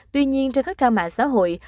tuy nhiên trên các trang mạng xã hội